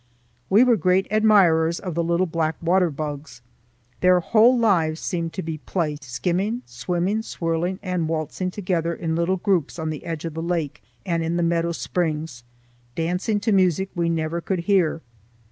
We were great admirers of the little black water bugs. Their whole lives seemed to be play, skimming, swimming, swirling, and waltzing together in little groups on the edge of the lake and in the meadow springs, dancing to music we never could hear.